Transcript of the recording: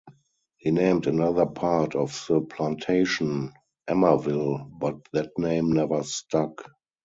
He named another part of the plantation Emmaville, but that name never stuck.